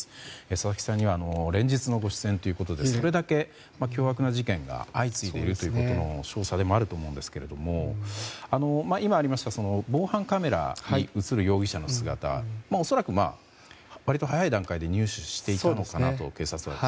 佐々木さんには連日のご出演ということでそれだけ凶悪な事件が相次いでいるということの証左でもあると思うんですけれども今、ありました防犯カメラに映る容疑者の姿は恐らく、割と早い段階で入手していたのかなと警察は。